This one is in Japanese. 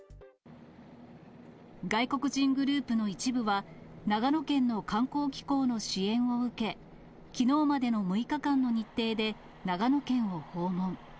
外国人グループの一部は、長野県の観光機構の支援を受け、きのうまでの６日間の日程で長野県を訪問。